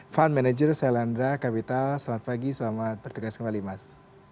fund manager saya landra kapital selamat pagi selamat berkegas kembali mas